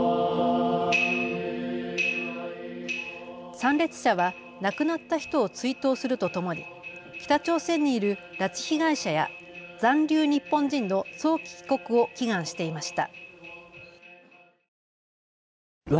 参列者は亡くなった人を追悼するとともに北朝鮮にいる拉致被害者や残留日本人の早期帰国を祈願していました。